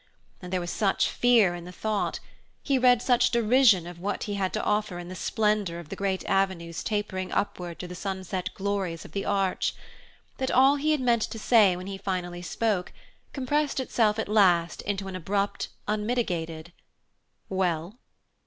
And there was such fear in the thought he read such derision of what he had to offer in the splendour of the great avenues tapering upward to the sunset glories of the Arch that all he had meant to say when he finally spoke compressed itself at last into an abrupt unmitigated: "Well?"